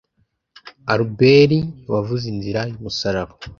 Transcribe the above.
albert wavuze inzira y umusaraba